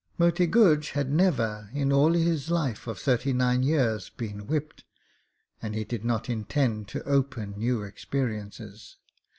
Moti Guj had never, in all his life of thirty nine years, been whipped, and he did not intend to open new experiences.